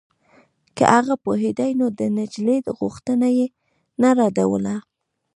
که هغه پوهېدای نو د نجلۍ غوښتنه يې نه ردوله.